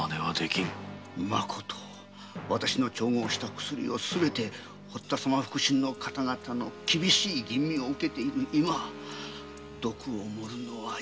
まこと私の調合した薬のすべてが堀田様の腹心の方々の厳しい吟味を受けている今毒を盛るのは容易なことでは。